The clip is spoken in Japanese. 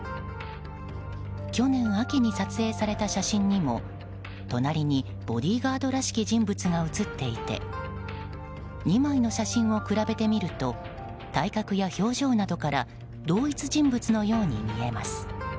去年秋に撮影された写真にも隣にボディーガードらしき人物が写っていて２枚の写真を比べてみると体格や表情などから同一人物のように見えます。